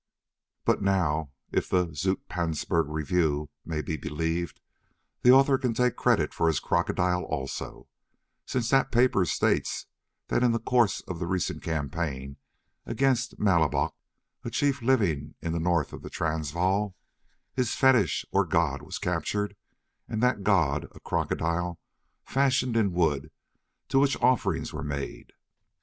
But now, if the Zoutpansberg Review may be believed, the author can take credit for his crocodile also, since that paper states that in the course of the recent campaign against Malaboch, a chief living in the north of the Transvaal, his fetish or god was captured, and that god, a crocodile fashioned in wood, to which offerings were made.